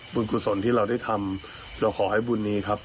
กุศลที่เราได้ทำเราขอให้บุญนี้ครับ